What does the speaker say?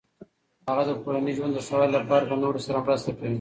هغه د کورني ژوند د ښه والي لپاره د نورو سره مرسته کوي.